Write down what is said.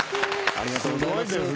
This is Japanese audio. ありがとうございます。